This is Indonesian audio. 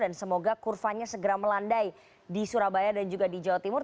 dan semoga kurvanya segera melandai di surabaya dan juga di jawa timur